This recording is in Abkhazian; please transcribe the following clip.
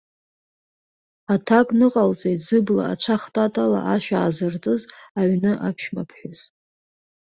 Аҭак ныҟалҵеит зыбла ацәа хтатала ашә аазыртыз аҩны аԥшәмаԥҳәыс.